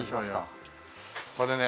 これね